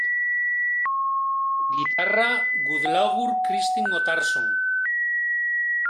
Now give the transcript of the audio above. Guitarra: Guðlaugur Kristinn Óttarsson.